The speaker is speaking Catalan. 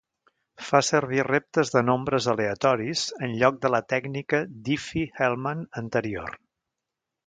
Fa servir reptes de nombres aleatoris en lloc de la tècnica Diffie-Hellman anterior.